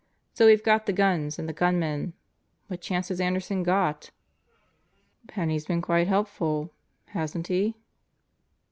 So we've got the guns and the gunmen. What chance has Anderson got?" "Penney's been quite helpful, hasn't he?"